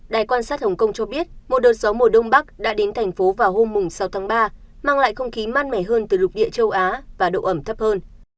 đài quan sát hồng kông cho biết một đợt gió mùa đông bắc đã đến thành phố vào hôm sáu tháng ba mang lại không khí mát mẻ hơn từ lục địa châu á và độ ẩm thấp hơn